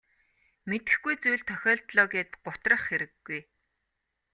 Мэдэхгүй зүйл тохиолдлоо гээд гутрах хэрэггүй.